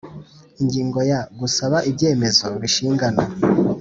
Ingingo ya gusaba ibyemezo bishingana